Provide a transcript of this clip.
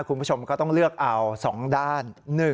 คุณผู้ชมก็ต้องเลือกเอา๒ด้าน